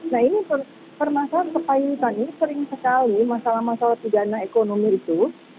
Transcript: nah ini permasalahan kepayulitan ini sering sekali masalah masalah pidana ekonomi itu